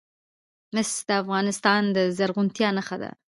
مس د افغانستان د زرغونتیا نښه ده.